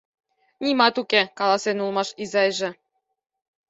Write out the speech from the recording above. — Нимат уке, — каласен улмаш изайже.